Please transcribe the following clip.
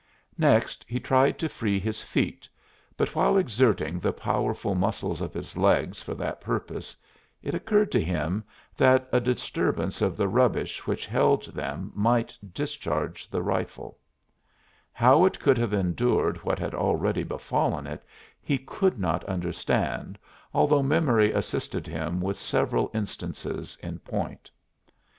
Next he tried to free his feet, but while exerting the powerful muscles of his legs for that purpose it occurred to him that a disturbance of the rubbish which held them might discharge the rifle; how it could have endured what had already befallen it he could not understand, although memory assisted him with several instances in point.